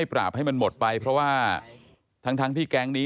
ท่านการะดี